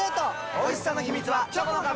おいしさの秘密はチョコの壁！